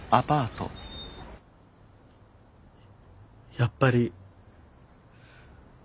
やっぱり。